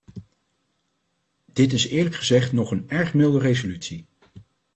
Dit is eerlijk gezegd nog een erg milde resolutie.